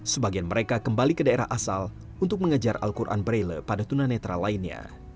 sebagian mereka kembali ke daerah asal untuk mengejar al qur'an bereleh pada tunanetra ini